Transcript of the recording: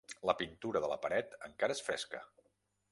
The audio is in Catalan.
La pintura de la paret encara és fresca.